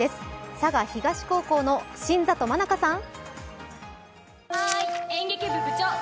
佐賀東高校の新里愛果さん。